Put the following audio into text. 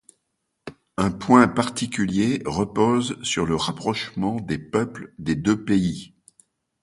Un point particulier repose sur le rapprochement des peuples des deux pays.